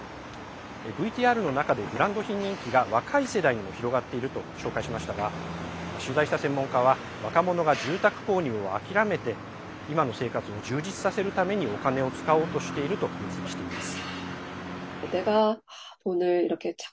ＶＴＲの中でブランド品人気が若い世代にも広がっていると紹介しましたが取材した専門家は若者が住宅購入を諦めて今の生活を充実させるためにお金を使おうとしていると分析しています。